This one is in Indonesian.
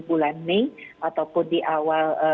bulan mei ataupun di awal